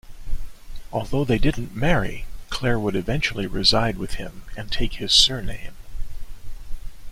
Although they didn't marry, Claire would eventually reside with him and take his surname.